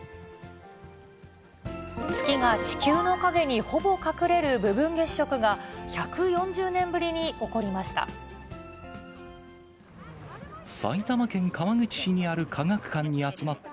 月が地球の影にほぼ隠れる部分月食が、１４０年ぶりに起こりました。